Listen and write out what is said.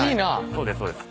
そうですそうです。